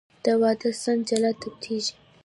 د واده سند جلا ثبتېږي.